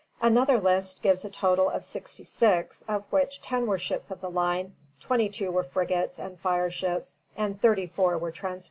Another list gives a total of sixty six, of which ten were ships of the line, twenty two were frigates and fireships, and thirty four were transports.